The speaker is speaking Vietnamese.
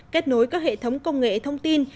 kết nối các hệ thống công nghệ thông tin